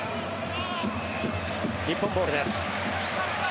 日本ボールです。